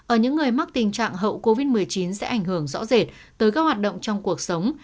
ở những người mắc tình trạng hậu covid một mươi chín sẽ ảnh hưởng rõ rệt tới các hoạt động trong cuộc sống